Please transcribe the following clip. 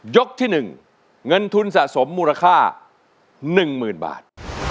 ที่๑เงินทุนสะสมมูลค่า๑๐๐๐บาท